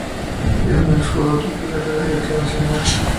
Es un ex jugador titular de la Selección nacional.